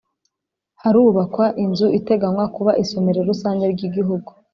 Harubakwa inzu iteganywa kuba isomero rusange ry Igihugu